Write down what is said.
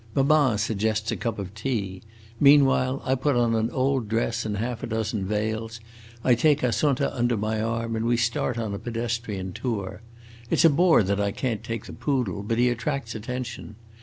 Mamma suggests a cup of tea. Meanwhile I put on an old dress and half a dozen veils, I take Assunta under my arm, and we start on a pedestrian tour. It 's a bore that I can't take the poodle, but he attracts attention.